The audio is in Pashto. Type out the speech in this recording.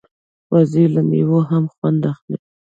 وزې له مېوې هم خوند اخلي